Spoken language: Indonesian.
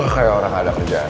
kayak orang ada kerjaan